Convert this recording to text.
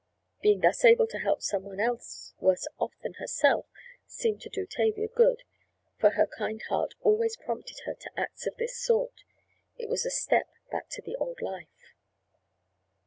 Being thus able to help some one else worse off than herself seemed to do Tavia good for her kind heart always prompted her to acts of this sort. It was a step back into the old life.